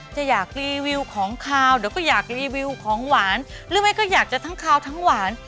จะอยากรีวิวของคาวเดี๋ยวก็อยากรีวิวของหวานหรือไม่ก็อยากจะทั้งคาวทั้งหวาน